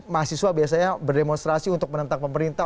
mahasiswa biasanya berdemonstrasi untuk menentang pemerintah